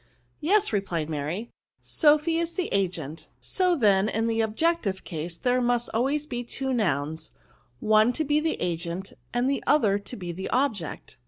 " Yes," replied Mary, " Sophy is the agent. So, then in the objective case there must always be two noims, one to be the agent, the other to be the object."